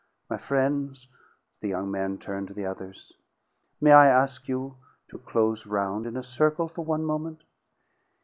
My frien's," the young man turned to the others, "may I ask you to close roun' in a circle for one moment?